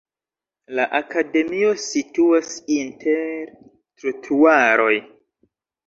La akademio situas inter trotuaroj.